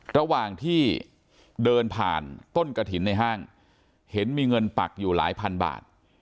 ระหว่างที่เดินผ่านต้นกระถิ่นในห้างเห็นมีเงินปักอยู่หลายพันบาท